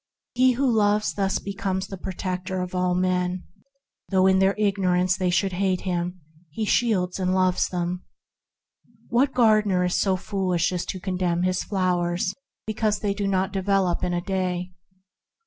He who loves thus becomes the protector of all men. Though in their ignorance they should hate him, he shields and loves them. E.K. ll] 160 THE HEAVENLY LIFE What gardener is so foolish as to condemn his flowers because they do not develop in a day